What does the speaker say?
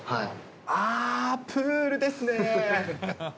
あー、プールですね。